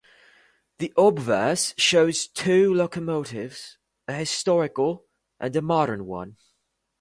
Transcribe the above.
The obverse shows two locomotives: a historical and a modern one.